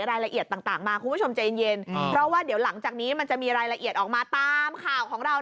รายละเอียดต่างมาคุณผู้ชมใจเย็นเพราะว่าเดี๋ยวหลังจากนี้มันจะมีรายละเอียดออกมาตามข่าวของเรา